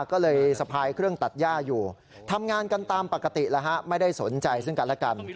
ก็เลยสะพายเครื่องตัดย่าอยู่ทำงานกันตามปกติแล้วฮะไม่ได้สนใจซึ่งกันและกัน